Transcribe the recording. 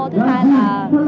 thứ hai là